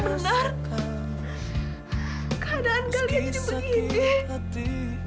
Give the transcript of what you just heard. keadaan kalian jadi begini